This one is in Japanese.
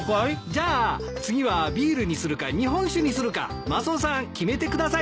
じゃあ次はビールにするか日本酒にするかマスオさん決めてください。